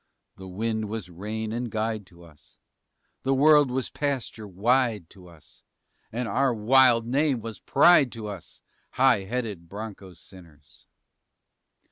The wind was rein and guide to us; The world was pasture wide to us And our wild name was pride to us High headed bronco sinners!